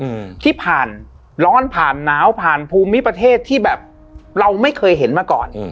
อืมที่ผ่านร้อนผ่านหนาวผ่านภูมิประเทศที่แบบเราไม่เคยเห็นมาก่อนอืม